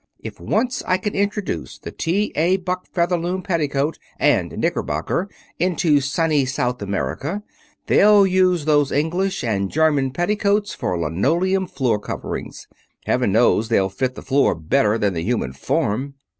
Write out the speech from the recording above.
If once I can introduce the T. A. Buck Featherloom petticoat and knickerbocker into sunny South America, they'll use those English and German petticoats for linoleum floor coverings. Heaven knows they'll fit the floor better than the human form!"